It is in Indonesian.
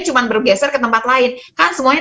cuma bergeser ke tempat lain kan semuanya